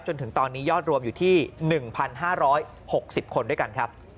จนถึงตอนนี้ยอดรวมอยู่ที่๑๕๖๐คนด้วยกันครับ